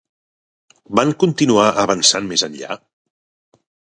Van continuar avançant més enllà?